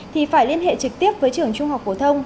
thì phải liên hệ trực tiếp với trường trung học phổ thông